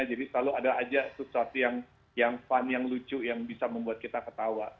jadi selalu ada aja sesuatu yang fun yang lucu yang bisa membuat kita ketawa